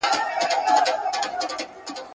هغه په دغه لنډ عمر کي دونه لیکني وکړې !.